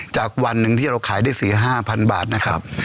จากวันนึงที่เราขายได้สี่ห้าพันบาทนะครับ